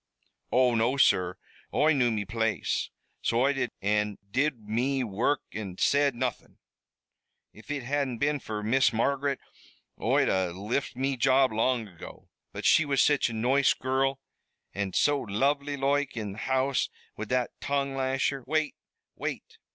"Oh, no, sur, Oi knew me place, so Oi did, an' did me wurruk an' said nothin'. If it hadn't been fer Miss Margaret Oi'd a lift me job long ago. But she was such a noice girrul, an' so lonely loike, in the house wid that tongue lasher " "Wait! wait!